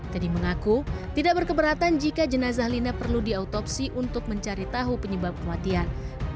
teddy mengaku tidak berkeberatan jika jenazah lina perlu diautopsi untuk mencari tahu penyebab kematian